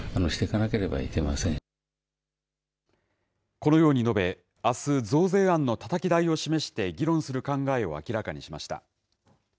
このように述べ、あす、増税案のたたき台を示して議論する考えを明らかにしました。